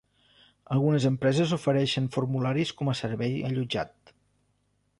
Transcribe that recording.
Algunes empreses ofereixen formularis com a servei allotjat.